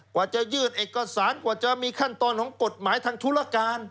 กว่าจะยืดเอกสารกว่าจะมีขั้นตอนของกฎหมายทางธุรการ